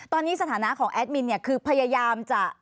ตอนนี้สถานะของแอดมินเนี่ยคือพยายามจะ